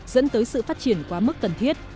dẫn tới sự phát triển quá mức cần thiết